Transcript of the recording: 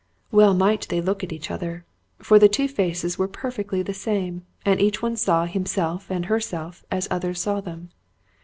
Well might they look at each other; for the two faces were perfectly the same, and each one saw himself and herself as others saw them.